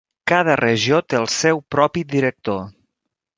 Cada regió té el seu propi director.